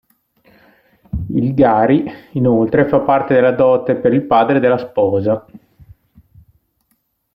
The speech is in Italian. Il "gari" inoltre fa parte della dote per il padre della sposa.